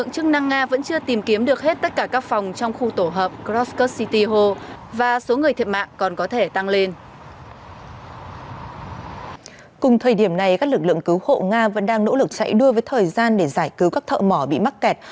cùng thời điểm này các lực lượng cứu hộ nga vẫn đang nỗ lực chạy đua với thời gian để giải cứu các thợ mỏ bị mắc kẹt